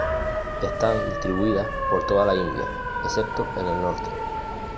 Están distribuidas por toda la India excepto en el Norte.